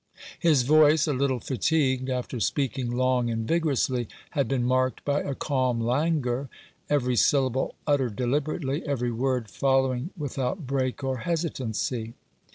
His voice — a little fatigued after speaking long and vigorously — had been marked by a calm languor, every syllable uttered deliberately, every word following without break or hesitancy.